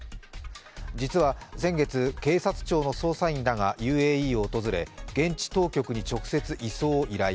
実は、先月、警察庁の捜査員らがＵＡＥを訪れ、現地当局に直接移送を依頼。